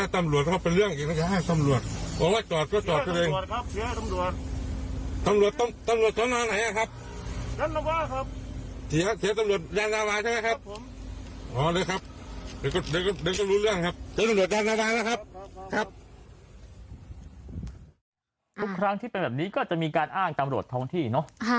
ทุกครั้งที่เป็นแบบนี้ก็จะมีการอ้างตำรวจท้องที่เนอะ